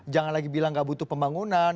jangan lagi bilang nggak butuh pembangunan